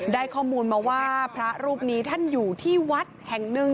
ได้ข้อมูลมาว่าพระรูปนี้ท่านอยู่ที่วัดแห่งหนึ่ง